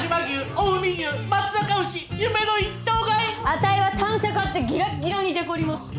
あたいは単車買ってギラッギラにデコります！